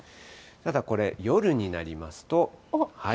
ただこれ、夜になりますと。